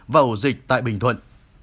và hổ dịch tại bình thuận